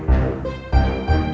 terima kasih bang